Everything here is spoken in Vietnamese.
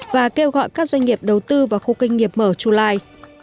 và kêu gọi các doanh nghiệp đầu tư vào khu kinh nghiệp mở chu lai